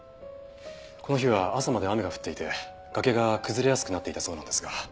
この日は朝まで雨が降っていて崖が崩れやすくなっていたそうなんですが。